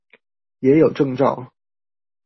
也有證照